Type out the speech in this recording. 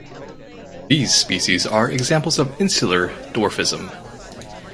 These species are examples of insular dwarfism.